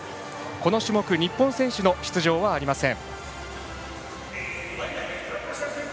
この種目、日本選手の出場はありません。